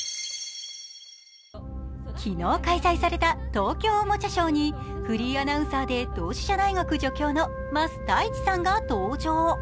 昨日開催された東京おもちゃショーにフリーアナウンサーで同志社大学助教の桝太一さんが登場。